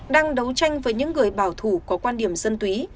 đang đấu tranh với những người bảo thủ có quan điểm dân túy